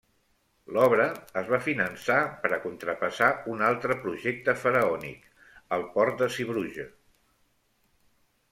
L'obra es va finançar per a contrapesar un altre projecte faraònic: el port de Zeebrugge.